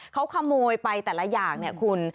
เขาขโมยไปแต่ละอย่างคุณ